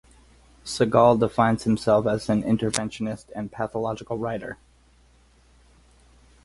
Segal defines himself as an "interventionist" and "pathological writer".